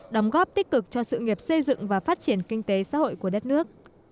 đóng góp tích cực cho sự nghiệp xây dựng và phát triển kinh tế xã hội của đất nước